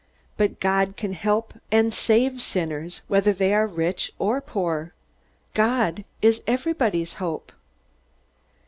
But God can help and save sinners, whether they are rich or poor. God is everybody's hope."